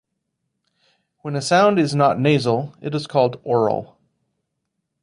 When a sound is not nasal, it is called oral.